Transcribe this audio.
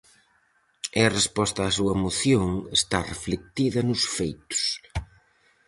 E a resposta á súa moción está reflectida nos feitos.